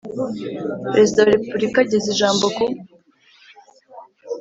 Perezida wa Repubulika ageza ijambo ku